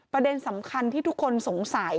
ประเด็นสำคัญที่ทุกคนสงสัย